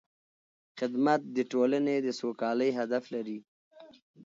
خدمت د ټولنې د سوکالۍ هدف لري.